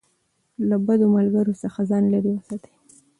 له بدو ملګرو څخه ځان لېرې وساتئ.